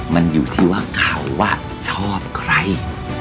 มันอยู่ที่ว่าเขาชอบใคร